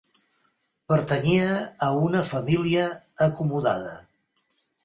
Pertanyia a una família acomodada.